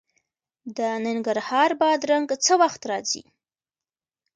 د ننګرهار بادرنګ څه وخت راځي؟